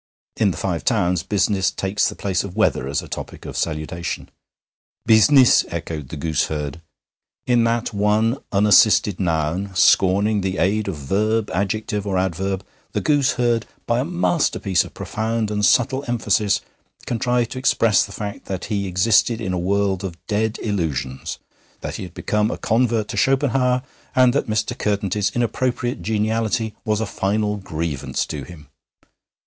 In the Five Towns business takes the place of weather as a topic of salutation. 'Business!' echoed the gooseherd. In that one unassisted noun, scorning the aid of verb, adjective, or adverb, the gooseherd, by a masterpiece of profound and subtle emphasis, contrived to express the fact that he existed in a world of dead illusions, that he had become a convert to Schopenhauer, and that Mr. Curtenty's inapposite geniality was a final grievance to him.